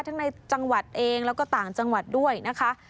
ในจังหวัดเองแล้วก็ต่างจังหวัดด้วยนะคะ